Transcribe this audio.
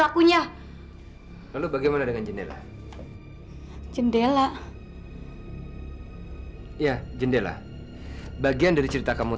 karena penyebabnya adalah engkau